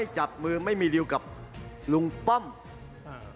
ก็พูดเสียงดังฐานชินวัฒน์